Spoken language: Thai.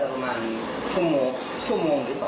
ก็คือแม้งทางว่าขอเงินพ่อให้ต่อ